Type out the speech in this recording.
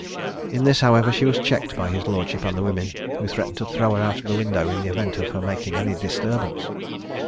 In this, however, she was checked by his lordship and the women, who threatened to throw her out of window in the event of her making any disturbance.